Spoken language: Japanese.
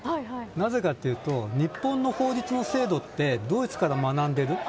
なぜかというと日本の法律の制度はドイツから学んでいる。